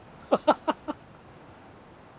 ハハハ！